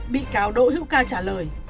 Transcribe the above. bị cáo đội hữu ca trả lời